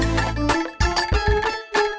pak tuni teth insulation